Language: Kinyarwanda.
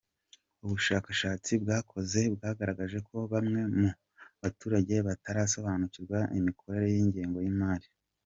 Ubushakashatsi bwakoze bwagaragaje ko bamwe mu baturage batarasobanukirwa n’imikorere y’ingengo y’imari.